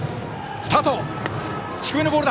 スタート！